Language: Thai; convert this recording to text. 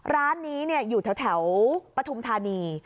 ร้านนี้อยู่แถวปฐุมธานี